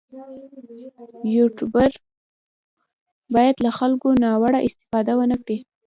یوټوبر باید له خلکو ناوړه استفاده ونه کړي.